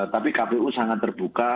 tapi kpu sangat terbuka